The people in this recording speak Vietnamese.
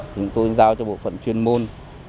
thì tôi giao cho bộ phận chuyên môn